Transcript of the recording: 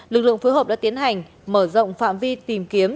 lực lượng phối hợp đã tiến hành mở rộng phạm vi tìm kiếm